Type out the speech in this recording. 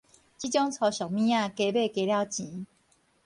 這種粗俗物仔，加買加了錢